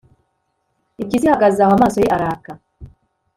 impyisi ihagaze aho, amaso ye araka